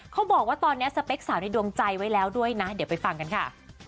เขาบอกว่าตอนนี้สเปคสาวในดวงใจไว้แล้วด้วยนะเดี๋ยวไปฟังกันค่ะ